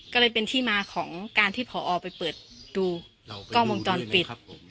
ก็เลยเป็นที่มาของการที่ผอไปเปิดดูกล้องวงจรปิด